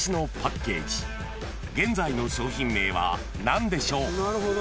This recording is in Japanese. ［現在の商品名は何でしょう？］